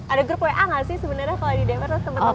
ada grup wa gak sih sebenarnya kalau di dammer terus temen temen